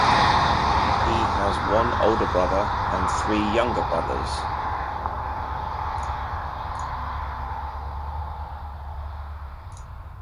He has one older brother and three younger brothers.